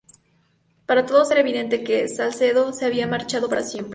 Para todos era evidente que Salcedo se había marchado para siempre.